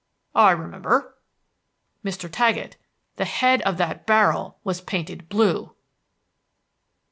"I remember." "Mr. Taggett, _the head of that barrel was painted blue!"